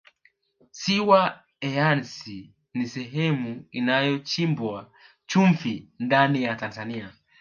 ziwa eyasi ni sehemu inayochimbwa chumvi ndani ya tanzania